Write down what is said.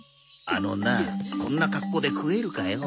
あのなあこんな格好で食えるかよ。